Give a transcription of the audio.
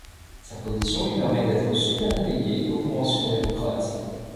Sa position lui permet d'être super délégué aux conventions démocrates.